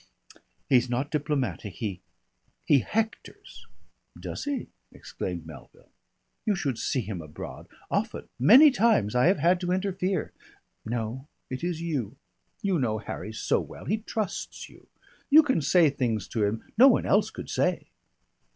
He's not diplomatic. He he hectors." "Does he?" exclaimed Melville. "You should see him abroad. Often many times I have had to interfere.... No, it is you. You know Harry so well. He trusts you. You can say things to him no one else could say."